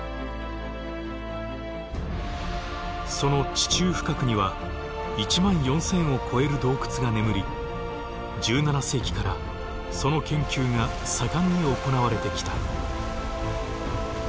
その地中深くには１万４，０００を超える洞窟が眠り１７世紀からその研究が盛んに行われてきた。